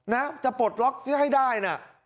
นะจะปลดล็อกซิให้ได้นะ